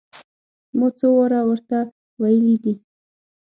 ما څو واره ور ته ويلي دي.